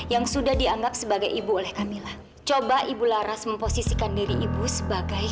yang sudah dianggap sebagai ibu oleh kamilah coba ibu laras memposisikan diri ibu sebagai